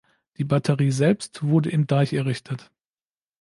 Die Batterie selbst wurde im Deich errichtet.